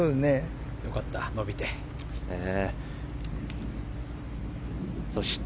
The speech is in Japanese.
良かった、伸びて。